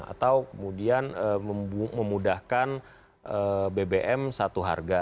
atau kemudian memudahkan bbm satu harga